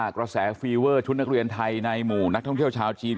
กระแสฟีเวอร์ชุดนักเรียนไทยในหมู่นักท่องเที่ยวชาวจีน